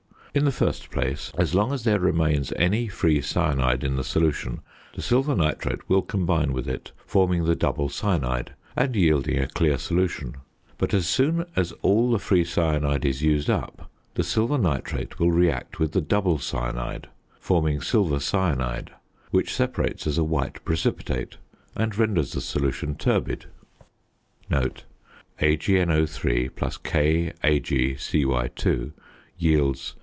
In the first place, as long as there remains any free cyanide in the solution the silver nitrate will combine with it forming the double cyanide and yielding a clear solution; but as soon as all the free cyanide is used up the silver nitrate will react with the double cyanide forming silver cyanide, which separates as a white precipitate and renders the solution turbid.